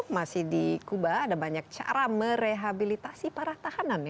masih di kuba ada banyak cara merehabilitasi para tahanan ya